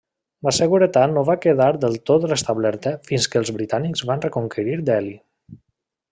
La seguretat no va quedar del tot restablerta fins que els britànics van reconquerir Delhi.